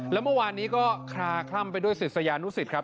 แล้วเมื่อวานนี้ก็คลาคล่ำไปด้วยศิษยานุสิตครับ